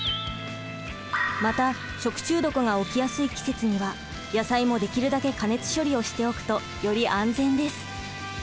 また食中毒が起きやすい季節には野菜もできるだけ加熱処理をしておくとより安全です。